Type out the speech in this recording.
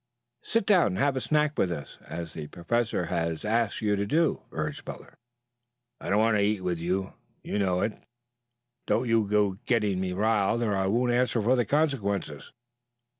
Sit down and have a snack with us, as the Professor has asked you to do," urged Butler. "I don't want to eat with you. You know it. Don't you go to getting me riled or I won't answer for the consequences."